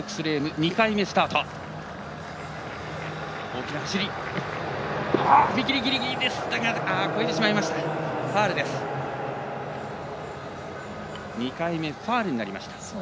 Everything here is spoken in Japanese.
２回目、ファウルになりました。